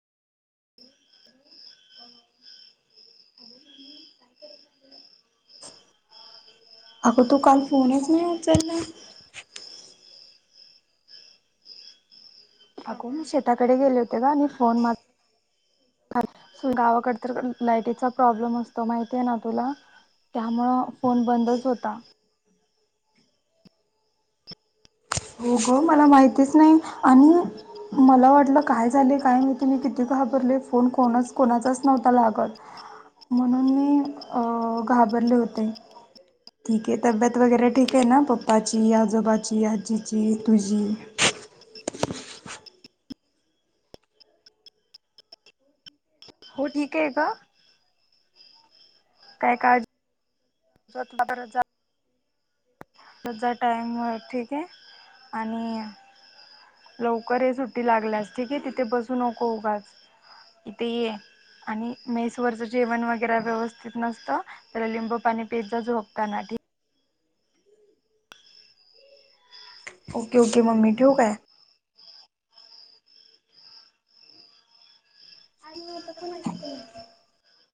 य [unintelligible] अगं तू काल फोनच नाही उचलला? अगो मी शेताकडे गेले होते गं, आणि फोन मऽऽ स गावाकड तर लाइटीचा प्रॉब्लेम असतो, माहिती आहे ना तुला. त्यामुळं फोन बंदच होता. हो ग मला माहितीच नाही, आणिऽऽ मला वाटलं काय झालेय, काय मी किती घाबरले, फोन कोणाच कोणाचाच नव्हता लागत. म्हणून मी अ घाबरले होते. ठीक य, तब्येत वगैरे ठीक आहे ना पप्पाची, आजोबाची, आजी. जी, तुझी. [unintelligible] हो, ठीक आहे गं. काय काळजी? [unintelligible] त्याझ टाईम ठीक आह, आणि लवकर ऐ सुट्टी लागल्यास ठीके, तिथे बसू नको उगाच. इथे ये, आणि मै, वरच जेवण वगैरे व्यवस्थित नसतं, तर लिंबू पाणी पेत जा झोपताना ठी [unintelligible] ओके ओके, मम्मी ठिऊ काय? [unintelligible]